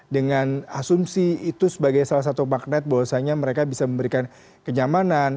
dengan asumsi itu sebagai salah satu magnet bahwasanya mereka bisa memberikan kenyamanan